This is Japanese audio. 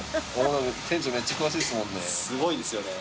すごいですよね。